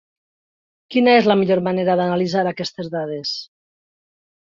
Quina és la millor manera d'analitzar aquestes dades?